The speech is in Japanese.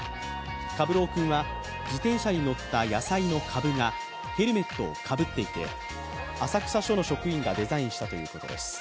かぶろくんは自転車に乗った野菜のかぶがヘルメットをかぶっていて、浅草署の職員がデザインしたということです。